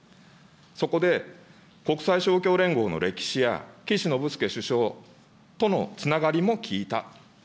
そこで国際勝共連合の歴史や、岸信介首相とのつながりも聞いた。